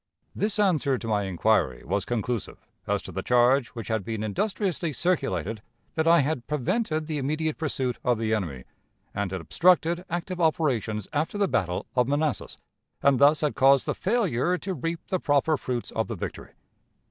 This answer to my inquiry was conclusive as to the charge which had been industriously circulated that I had prevented the immediate pursuit of the enemy, and had obstructed active operations after the battle of Manassas, and thus had caused the failure to reap the proper fruits of the victory.